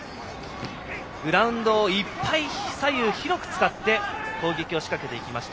グラウンドいっぱい左右広く使って攻撃を仕掛けていきました。